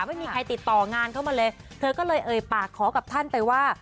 ไม่มีใครติดต่องานเข้ามาเลยเธอก็เลยเอ่ยปากขอกับท่านไปว่า